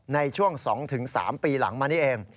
ในช่วง๒๓ปีหลังมานี่เอง